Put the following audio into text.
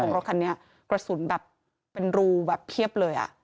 รถคันนี้กระสุนแบบเป็นรูแบบเพียบเลย